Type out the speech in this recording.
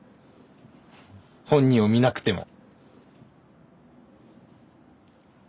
本人を見なくても。